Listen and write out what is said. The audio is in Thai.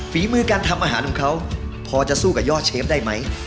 ฝีมือการทำอาหารของเขาพอจะสู้กับยอดเชฟได้ไหม